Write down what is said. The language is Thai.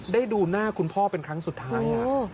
ดูหน้าคุณพ่อเป็นครั้งสุดท้าย